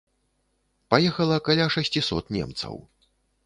Паехала каля шасцісот немцаў.